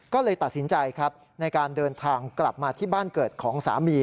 ก็เลยตัดสินใจครับในการเดินทางกลับมาที่บ้านเกิดของสามี